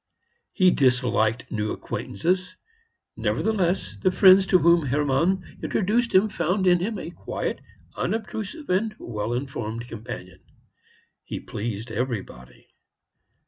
He disliked new acquaintances; nevertheless, the friends to whom Hermann introduced him found in him a quiet, unobtrusive, and well informed companion. He pleased everybody.